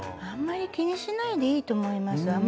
あんまり気にしないでいいと思います。